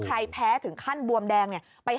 แพ้ถึงขั้นบวมแดงเนี่ย